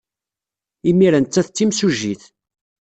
Imir-a, nettat d timsujjit.